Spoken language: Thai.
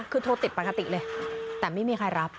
คือโทรติดปกติเลยแต่ไม่มีใครรับ